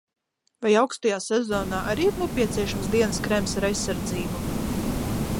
Vai aukstajā sezonā arī ir nepieciešams dienas krēms ar aizsardzību?